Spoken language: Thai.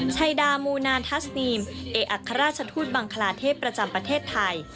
ชัยดามูนานทัศนีมเอกอัครราชทูตบังคลาเทพประจำประเทศไทย